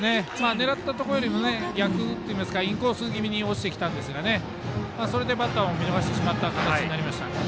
狙ったところよりも逆といいますかインコース気味に落ちてきたんですがそれでバッターを見逃してしまった形になりました。